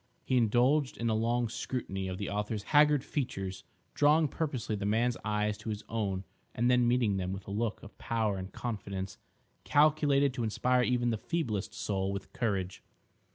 He indulged in a long scrutiny of the author's haggard features drawing purposely the man's eyes to his own and then meeting them with a look of power and confidence calculated to inspire even the feeblest soul with courage.